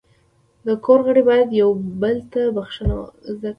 د کور غړي باید یو بل ته بخښنه زده کړي.